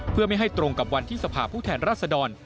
เพื่อไม่ให้ตรงกับวันที่สภาพผู้แทนรัศดร